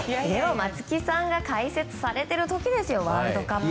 松木さんが解説されてる時ですよワールドカップで。